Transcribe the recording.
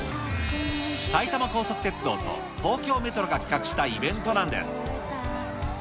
埼玉高速鉄道と東京メトロが企画したイベントなんです。